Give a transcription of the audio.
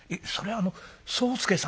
あの宗助さん」。